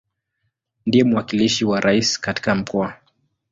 Ndiye mwakilishi wa Rais katika Mkoa.